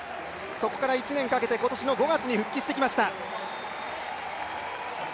そこから１年かけて今年の５月に復帰してきました。